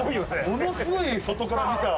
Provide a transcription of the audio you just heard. ものすごい外から見たら。